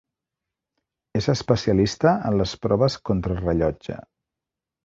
És especialista en les proves contrarellotge.